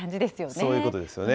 そういうことですよね。